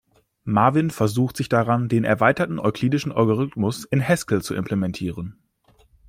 Marvin versucht sich daran, den erweiterten euklidischen Algorithmus in Haskell zu implementieren.